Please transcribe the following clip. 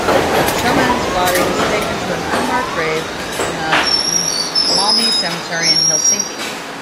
Schauman's body was taken to an unmarked grave in the Malmi cemetery in Helsinki.